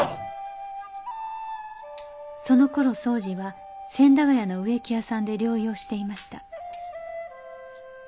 そのころ総司は千駄ヶ谷の植木屋さんで療養していました。